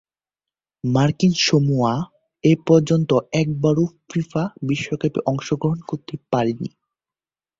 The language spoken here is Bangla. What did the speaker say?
মার্কিন সামোয়া এপর্যন্ত একবারও ফিফা বিশ্বকাপে অংশগ্রহণ করতে পারেনি।